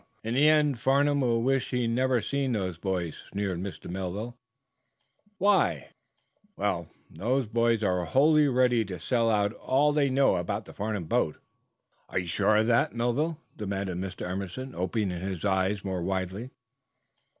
"Humph! In the end Farnum will wish he never seen those boys," sneered Mr. Melville. "Why?" "Well, the boys are wholly ready to sell out all they know about the Farnum boat." "Are you sure of that, Melville?" demanded Mr. Emerson, opening his eyes more widely.